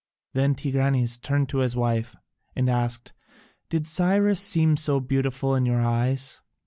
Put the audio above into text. Then Tigranes turned to his wife and asked, "Did Cyrus seem so beautiful in your eyes?"